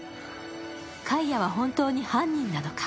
カイアは本当に犯人なのか。